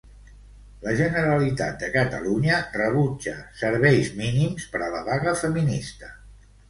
La Generalitat de Catalunya rebutja serveis mínims per a la vaga feminista.